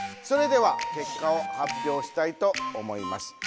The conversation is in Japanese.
それでは結果を発表したいと思います。